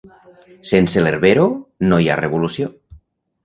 Sense l'herbero… no hi ha revolució!